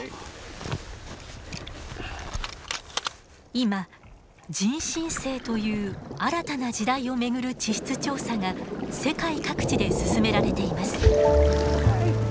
今人新世という新たな時代を巡る地質調査が世界各地で進められています。